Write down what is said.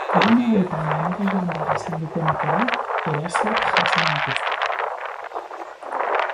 Egun hauetan lanera joan behar izan dutenek ere erasoak jasan dituzte.